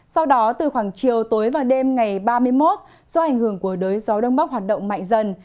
sau đó từ khoảng chiều tối và đêm ngày ba mươi một do ảnh hưởng của đới gió đông bắc hoạt động mạnh dần